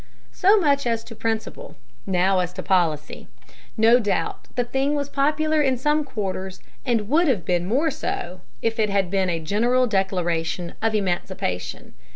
"So much as to principle. Now as to policy. No doubt the thing was popular in some quarters, and would have been more so if it had been a general declaration of emancipation.